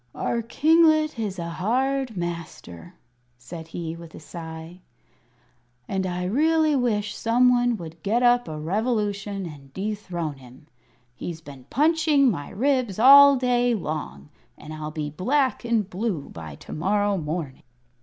"Our kinglet is a hard master," said he, with a sigh, "and I really wish some one would get up a revolution and dethrone him. He's been punching my ribs all day long, and I'll be black and blue by to morrow morning."